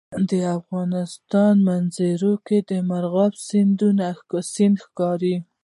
د افغانستان په منظره کې مورغاب سیند ښکاره دی.